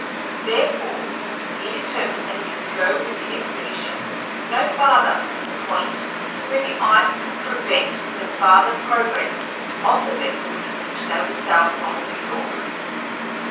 Therefore he determined that he would go with the expedition no farther than the point where the ice would prevent the farther progress of the vessel in which they would sail from New York.